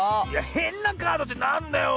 へんなカードってなんだよ。